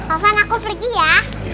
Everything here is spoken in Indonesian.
alvan aku pergi ya